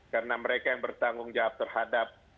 karena mereka yang bertanggung jawab terhadap